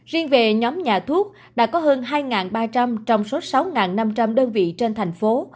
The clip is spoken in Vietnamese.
riêng về nhóm nhà thuốc đã có hơn hai ba trăm linh trong số sáu năm trăm linh đơn vị trên thành phố